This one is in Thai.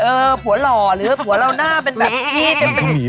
มันเป็นอะไร